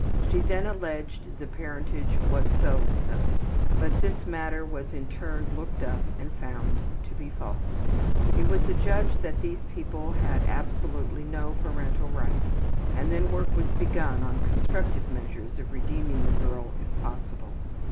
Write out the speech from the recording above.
She then alleged the parentage was so and so, but this matter was in turn looked up and found to be false. It was adjudged that these people had absolutely no parental rights, and then work was begun on constructive measures of redeeming the girl if possible.